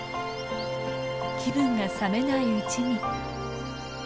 気分が冷めないうちに。